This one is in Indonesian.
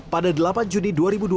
pada delapan juni dua ribu dua puluh